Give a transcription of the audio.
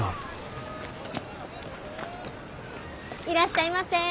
いらっしゃいませ。